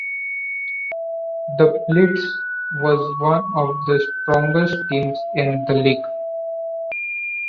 The Blitz was one of the strongest teams in the league.